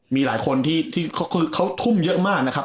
มีหลายคนที่เขาคือเขาทุ่มเยอะมากนะครับ